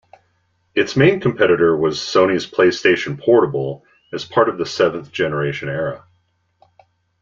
Its main competitor was Sony's PlayStation Portable as part of the seventh generation era.